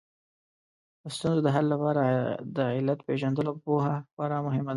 د ستونزو د حل لپاره د علت پېژندلو پوهه خورا مهمه ده